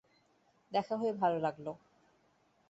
দেখা হয়ে ভালো লাগলো, ওকোৎসু।